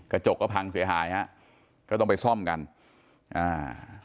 กระจกก็พังเสียหายฮะก็ต้องไปซ่อมกันอ่า